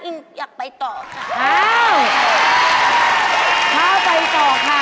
อินอยากไปต่อค่ะ